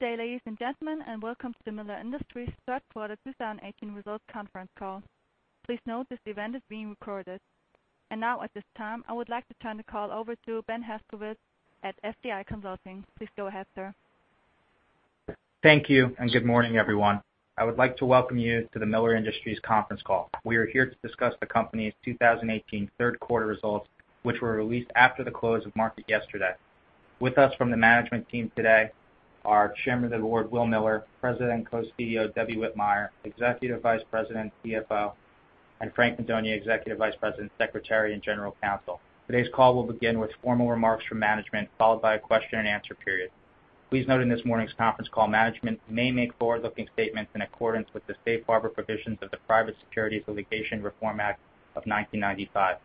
Good day, ladies and gentlemen, and welcome to Miller Industries' third quarter 2018 results conference call. Please note this event is being recorded. Now, at this time, I would like to turn the call over to Brendan Dunlap at FTI Consulting. Please go ahead, sir. Thank you. Good morning, everyone. I would like to welcome you to the Miller Industries conference call. We are here to discuss the company's 2018 third quarter results, which were released after the close of market yesterday. With us from the management team today are Chairman of the Board, Will Miller, President and Co-CEO, Deborah Whitmire, Executive Vice President, CFO, and Frank Madonia, Executive Vice President, Secretary, and General Counsel. Today's call will begin with formal remarks from management, followed by a question and answer period. Please note in this morning's conference call management may make forward-looking statements in accordance with the safe harbor provisions of the Private Securities Litigation Reform Act of 1995.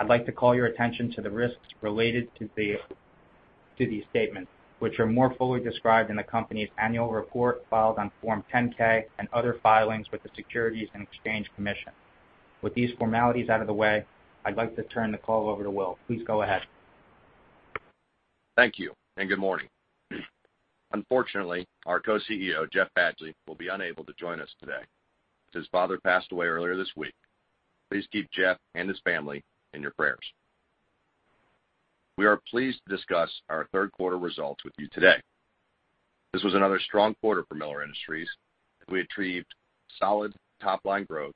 I'd like to call your attention to the risks related to these statements, which are more fully described in the company's annual report filed on Form 10-K and other filings with the Securities and Exchange Commission. With these formalities out of the way, I'd like to turn the call over to Will. Please go ahead. Thank you. Good morning. Unfortunately, our Co-CEO, Jeff Badgley, will be unable to join us today as his father passed away earlier this week. Please keep Jeff and his family in your prayers. We are pleased to discuss our third quarter results with you today. This was another strong quarter for Miller Industries as we achieved solid top-line growth,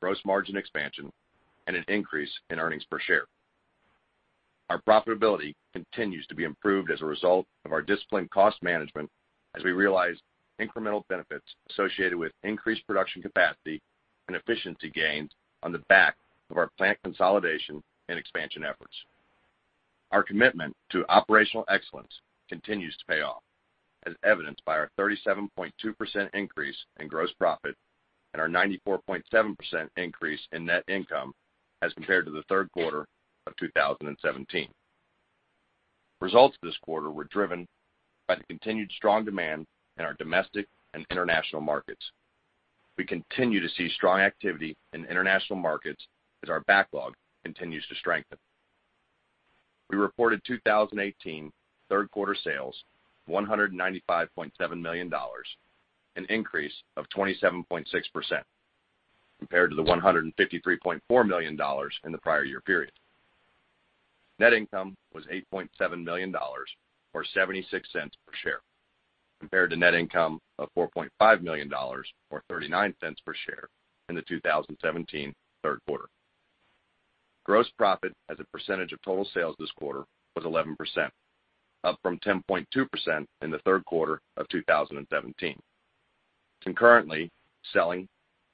gross margin expansion, and an increase in earnings per share. Our profitability continues to be improved as a result of our disciplined cost management as we realized incremental benefits associated with increased production capacity and efficiency gains on the back of our plant consolidation and expansion efforts. Our commitment to operational excellence continues to pay off, as evidenced by our 37.2% increase in gross profit and our 94.7% increase in net income as compared to the third quarter of 2017. Results this quarter were driven by the continued strong demand in our domestic and international markets. We continue to see strong activity in international markets as our backlog continues to strengthen. We reported 2018 third quarter sales of $195.7 million, an increase of 27.6% compared to the $153.4 million in the prior year period. Net income was $8.7 million, or $0.76 per share, compared to net income of $4.5 million, or $0.39 per share in the 2017 third quarter. Gross profit as a percentage of total sales this quarter was 11%, up from 10.2% in the third quarter of 2017. Concurrently, selling,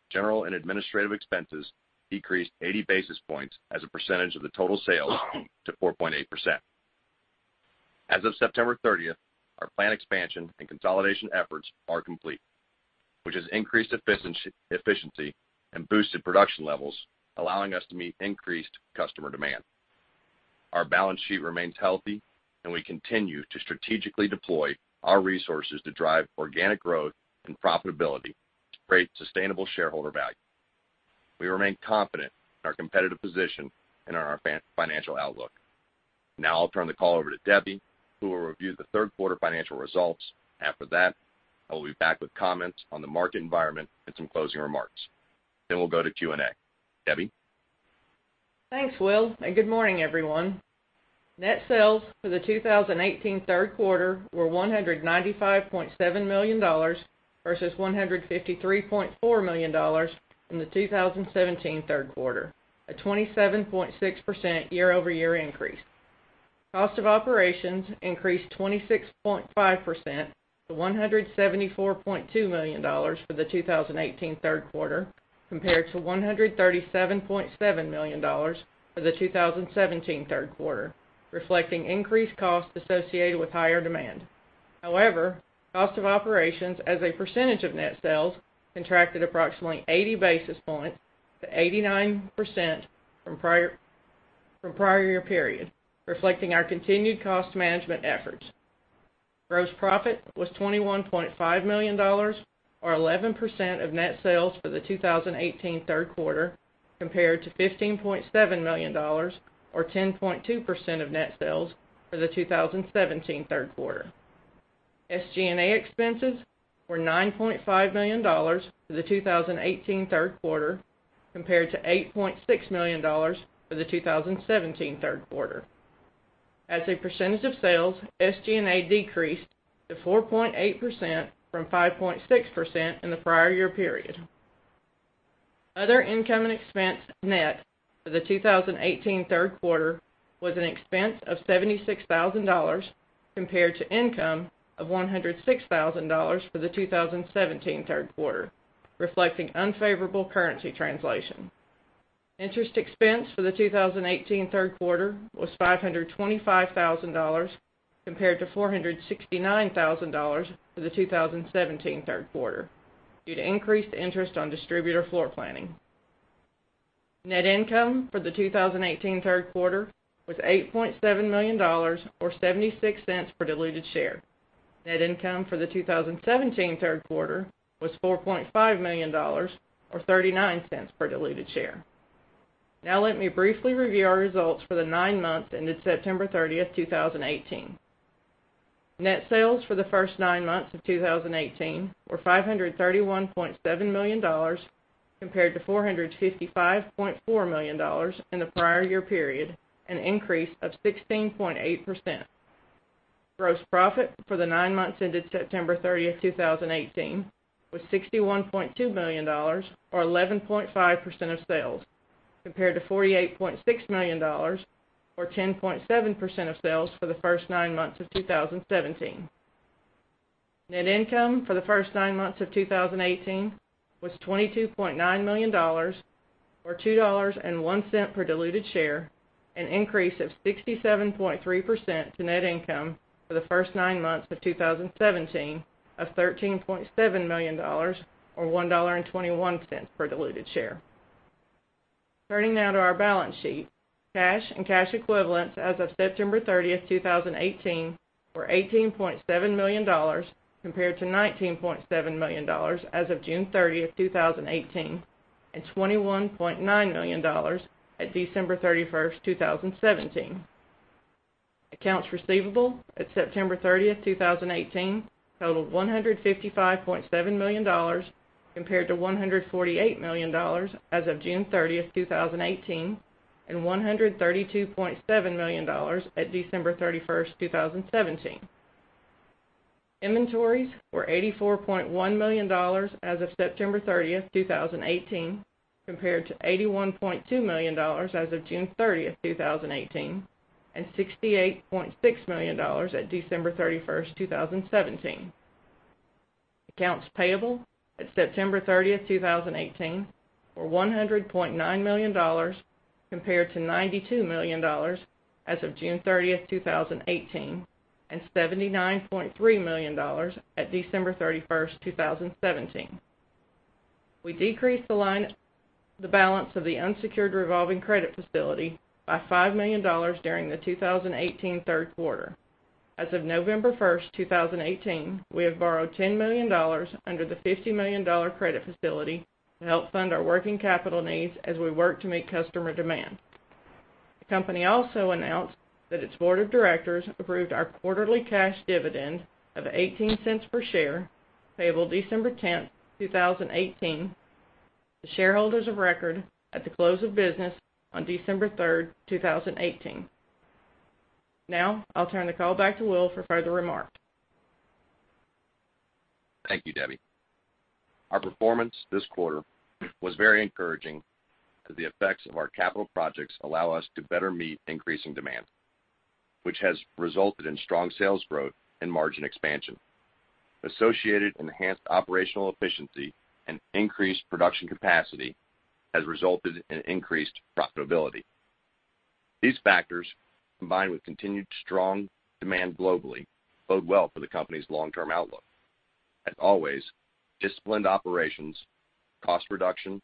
general, and administrative expenses decreased 80 basis points as a percentage of the total sales to 4.8%. As of September 30th, our plant expansion and consolidation efforts are complete, which has increased efficiency and boosted production levels, allowing us to meet increased customer demand. Our balance sheet remains healthy. We continue to strategically deploy our resources to drive organic growth and profitability to create sustainable shareholder value. We remain confident in our competitive position and in our financial outlook. I'll turn the call over to Debbie, who will review the third quarter financial results. After that, I will be back with comments on the market environment and some closing remarks. We'll go to Q&A. Debbie? Thanks, Will. Good morning, everyone. Net sales for the 2018 third quarter were $195.7 million versus $153.4 million in the 2017 third quarter, a 27.6% year-over-year increase. Cost of operations increased 26.5% to $174.2 million for the 2018 third quarter, compared to $137.7 million for the 2017 third quarter, reflecting increased costs associated with higher demand. Cost of operations as a percentage of net sales contracted approximately 80 basis points to 89% from prior year period, reflecting our continued cost management efforts. Gross profit was $21.5 million, or 11% of net sales for the 2018 third quarter, compared to $15.7 million or 10.2% of net sales for the 2017 third quarter. SG&A expenses were $9.5 million for the 2018 third quarter, compared to $8.6 million for the 2017 third quarter. As a percentage of sales, SG&A decreased to 4.8% from 5.6% in the prior year period. Other income and expense net for the 2018 third quarter was an expense of $76,000, compared to income of $106,000 for the 2017 third quarter, reflecting unfavorable currency translation. Interest expense for the 2018 third quarter was $525,000, compared to $469,000 for the 2017 third quarter due to increased interest on distributor floor planning. Net income for the 2018 third quarter was $8.7 million, or $0.76 per diluted share. Net income for the 2017 third quarter was $4.5 million, or $0.39 per diluted share. Let me briefly review our results for the nine months ended September 30th, 2018. Net sales for the first nine months of 2018 were $531.7 million, compared to $455.4 million in the prior year period, an increase of 16.8%. Gross profit for the nine months ended September 30th, 2018 was $61.2 million, or 11.5% of sales, compared to $48.6 million, or 10.7% of sales for the first nine months of 2017. Net income for the first nine months of 2018 was $22.9 million, or $2.01 per diluted share, an increase of 67.3% to net income for the first nine months of 2017 of $13.7 million, or $1.21 per diluted share. Turning now to our balance sheet. Cash and cash equivalents as of September 30th, 2018 were $18.7 million, compared to $19.7 million as of June 30th, 2018, and $21.9 million at December 31st, 2017. Accounts receivable at September 30th, 2018 totaled $155.7 million, compared to $148 million as of June 30th, 2018, and $132.7 million at December 31st, 2017. Inventories were $84.1 million as of September 30th, 2018, compared to $81.2 million as of June 30th, 2018, and $68.6 million at December 31st, 2017. Accounts payable at September 30th, 2018 were $100.9 million compared to $92 million as of June 30th, 2018, and $79.3 million at December 31st, 2017. We decreased the balance of the unsecured revolving credit facility by $5 million during the 2018 third quarter. As of November 1st, 2018, we have borrowed $10 million under the $50 million credit facility to help fund our working capital needs as we work to meet customer demand. The company also announced that its board of directors approved our quarterly cash dividend of $0.18 per share, payable December 10th, 2018, to shareholders of record at the close of business on December 3rd, 2018. I'll turn the call back to Will for further remarks. Thank you, Debbie. Our performance this quarter was very encouraging as the effects of our capital projects allow us to better meet increasing demand, which has resulted in strong sales growth and margin expansion. Associated enhanced operational efficiency and increased production capacity has resulted in increased profitability. These factors, combined with continued strong demand globally, bode well for the company's long-term outlook. As always, disciplined operations, cost reduction,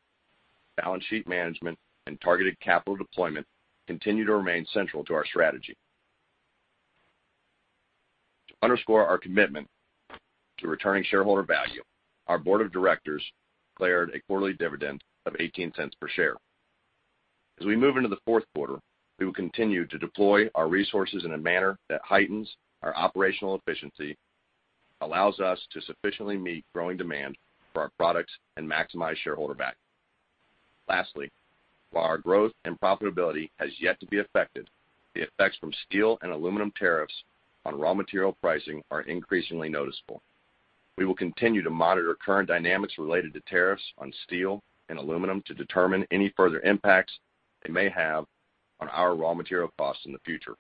balance sheet management, and targeted capital deployment continue to remain central to our strategy. To underscore our commitment to returning shareholder value, our board of directors declared a quarterly dividend of $0.18 per share. We move into the fourth quarter, we will continue to deploy our resources in a manner that heightens our operational efficiency, allows us to sufficiently meet growing demand for our products, and maximize shareholder value. While our growth and profitability has yet to be affected, the effects from steel and aluminum tariffs on raw material pricing are increasingly noticeable. We will continue to monitor current dynamics related to tariffs on steel and aluminum to determine any further impacts they may have on our raw material costs in the future.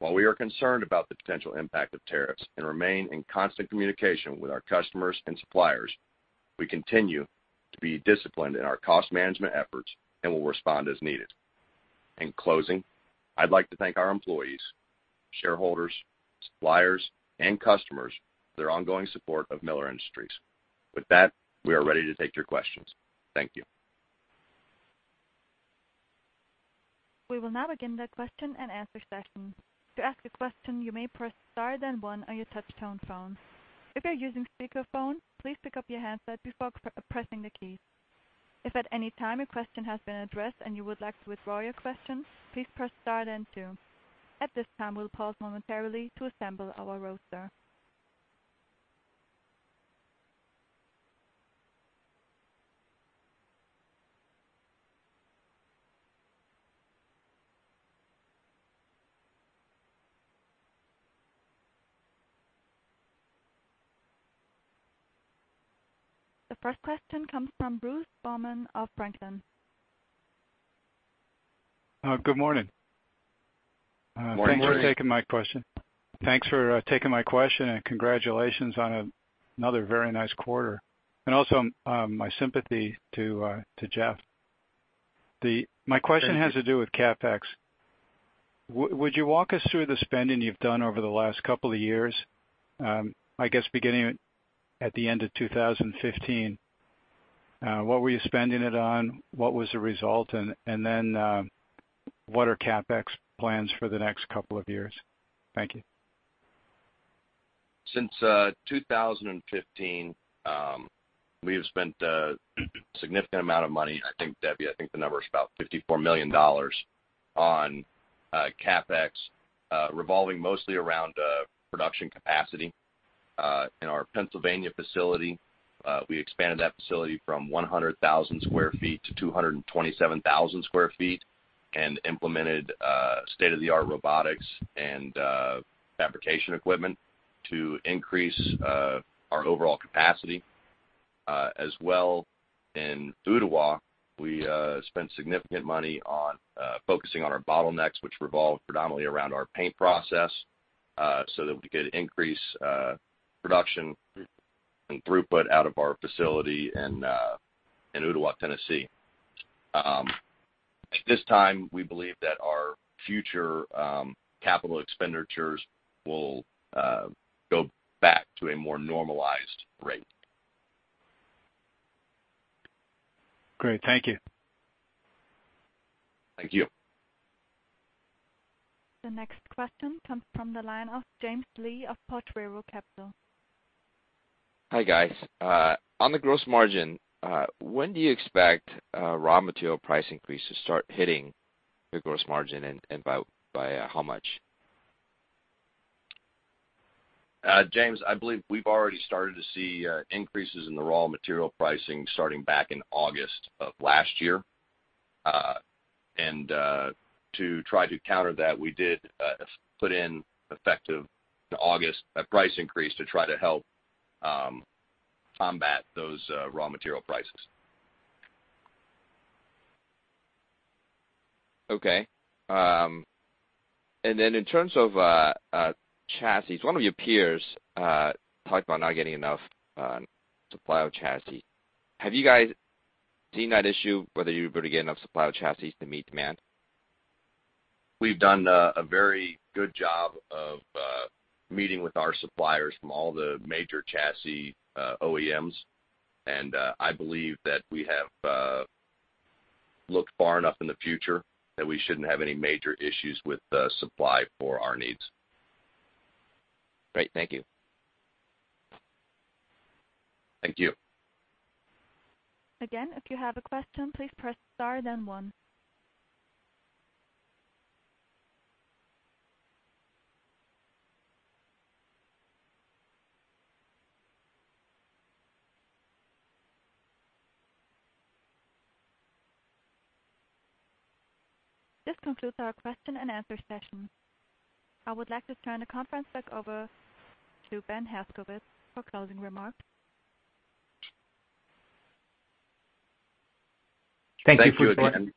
While we are concerned about the potential impact of tariffs and remain in constant communication with our customers and suppliers, we continue to be disciplined in our cost management efforts and will respond as needed. In closing, I'd like to thank our employees, shareholders, suppliers, and customers for their ongoing support of Miller Industries. With that, we are ready to take your questions. Thank you. We will now begin the question and answer session. To ask a question, you may press star then one on your touch tone phone. If you're using speakerphone, please pick up your handset before pressing the key. If at any time your question has been addressed and you would like to withdraw your question, please press star then two. At this time, we'll pause momentarily to assemble our roster. The first question comes from Bruce Baumann of Franklin. Good morning. Morning. Thanks for taking my question. Thanks for taking my question, and congratulations on another very nice quarter. Also, my sympathy to Jeff. Thank you. My question has to do with CapEx. Would you walk us through the spending you've done over the last couple of years? I guess beginning at the end of 2015. What were you spending it on? What was the result? Then what are CapEx plans for the next couple of years? Thank you. Since 2015, we have spent a significant amount of money, Debbie, I think the number is about $54 million, on CapEx revolving mostly around production capacity in our Pennsylvania facility. We expanded that facility from 100,000 square feet to 227,000 square feet and implemented state-of-the-art robotics and fabrication equipment to increase our overall capacity. As well, in Ooltewah, we spent significant money on focusing on our bottlenecks, which revolved predominantly around our paint process, so that we could increase production and throughput out of our facility in Ooltewah, Tennessee. At this time, we believe that our future capital expenditures will go back to a more normalized rate. Great. Thank you. Thank you. The next question comes from the line of James Lee of Potrero Capital. Hi, guys. On the gross margin, when do you expect raw material price increase to start hitting the gross margin, and by how much? James, I believe we've already started to see increases in the raw material pricing starting back in August of last year. To try to counter that, we did put in, effective August, a price increase to try to help combat those raw material prices. Okay. In terms of chassis, one of your peers talked about not getting enough supply of chassis. Have you guys seen that issue, whether you'll be able to get enough supply of chassis to meet demand? We've done a very good job of meeting with our suppliers from all the major chassis OEMs, and I believe that we have looked far enough in the future that we shouldn't have any major issues with the supply for our needs. Great. Thank you. Thank you. Again, if you have a question, please press star then one. This concludes our question and answer session. I would like to turn the conference back over to Brendan Dunlap for closing remarks. Thank you. Thank you again.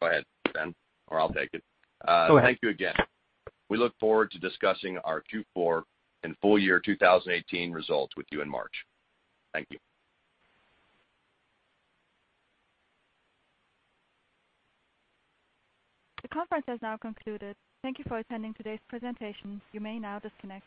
Go ahead, Ben, or I'll take it. Go ahead. Thank you again. We look forward to discussing our Q4 and full year 2018 results with you in March. Thank you. The conference has now concluded. Thank you for attending today's presentation. You may now disconnect.